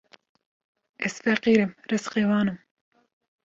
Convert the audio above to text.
Ez feqîr im rizqê wan im